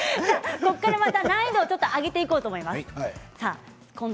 ここからちょっと難易度は上げていこうと思います。